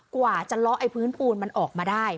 กว่าจะล้อไอ้พื้นปูนมันออกมาได้